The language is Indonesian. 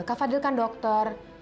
kak fadil kan dokter